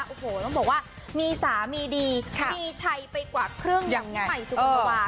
โอ้โหต้องบอกว่ามีสามีดีมีชัยไปกว่าเครื่องใหม่สุขนธวา